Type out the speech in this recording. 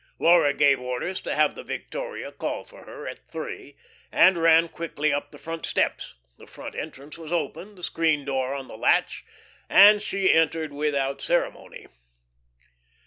Laura gave orders to have the victoria call for her at three, and ran quickly up the front steps. The front entrance was open, the screen door on the latch, and she entered without ceremony.